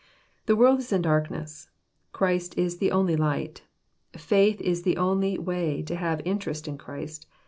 — The world is in darkness. — Christ is the only light. — ^Faith is the only way to have interest in Christ.